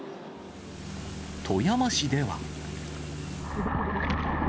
富山市では。